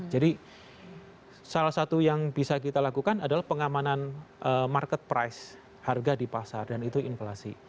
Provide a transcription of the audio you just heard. jadi salah satu yang bisa kita lakukan adalah pengamanan market price harga di pasar dan itu inflasi